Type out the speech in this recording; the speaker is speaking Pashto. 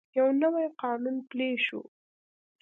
یو نوی قانون پلی شو.